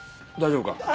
大丈夫か？